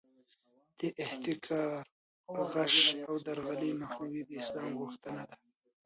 د احتکار، غش او درغلۍ مخنیوی د اسلام غوښتنه ده.